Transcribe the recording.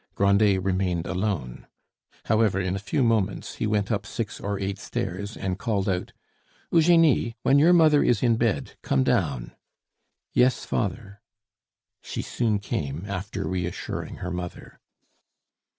Grandet remained alone. However, in a few moments he went up six or eight stairs and called out, "Eugenie, when your mother is in bed, come down." "Yes, father." She soon came, after reassuring her mother.